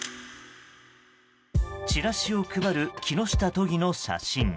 チラシを配る木下都議の写真。